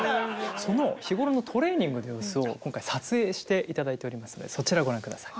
その日頃のトレーニングの様子を今回撮影していただいておりますのでそちらご覧ください。